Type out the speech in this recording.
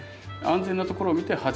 安全なところを見て８℃。